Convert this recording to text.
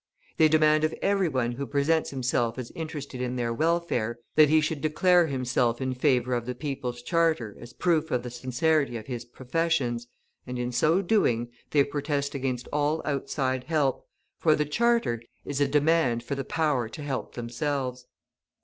They demand of every one who presents himself as interested in their welfare, that he should declare himself in favour of the People's Charter as proof of the sincerity of his professions, and in so doing, they protest against all outside help, for the Charter is a demand for the power to help themselves.